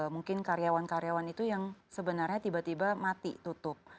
mungkin karyawan karyawan itu yang sebenarnya tiba tiba mati tutup